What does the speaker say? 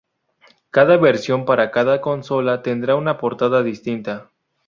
Cada versión para cada consola tendrá una portada distinta.